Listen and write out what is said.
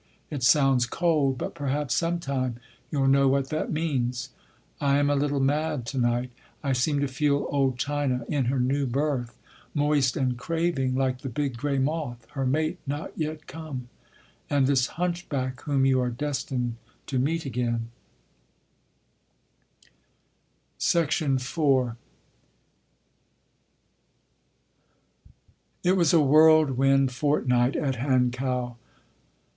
It sounds cold—but perhaps some time you’ll know what that means. I am a little mad to night.... I seem to feel old China in her new birth—moist and craving like the big gray moth—her mate not yet come—and this Hunchback whom you are destined to meet again—" *4* It was a whirlwind fortnight at Hankow.